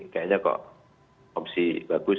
kayaknya kok opsi bagus